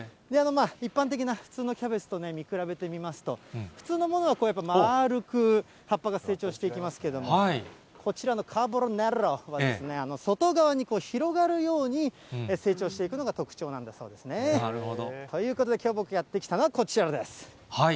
一般的な普通のキャベツと見比べてみますと、普通のものは、やっぱ、丸く葉っぱが成長していきますけれども、こちらのカーボロネロは、外側に広がるように成長していくのが特徴なんだそうですね。ということで、きょう僕がやって来たのはこちらです。